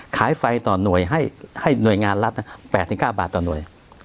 ไฟต่อหน่วยให้หน่วยงานรัฐ๘๙บาทต่อหน่วย